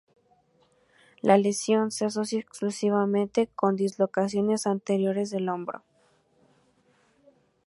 La lesión se asocia exclusivamente con dislocaciones anteriores del hombro.